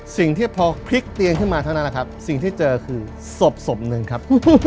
สิ่งที่พอพลิกเตียงขึ้นมาเท่านั้นแหละครับสิ่งที่เจอคือศพหนึ่งครับ